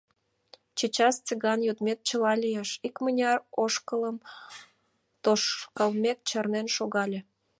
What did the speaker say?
— Чечас, Цыган, йодмет чыла лиеш! — икмыняр ошкылым тошкалмек, чарнен шогале.